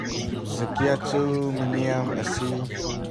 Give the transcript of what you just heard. Zakiah cu mi niam a si.